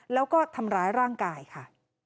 แล้วก็ทำร้ายร่างกายค่ะ